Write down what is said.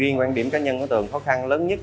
riêng quan điểm cá nhân của tường khó khăn lớn nhất